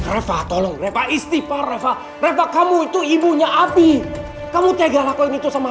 reva tolong reva istihbar reva reva kamu itu ibunya abi kamu tegak lakuin itu sama